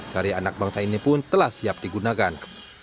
karya anak bangsa ini pun telah siap digunakan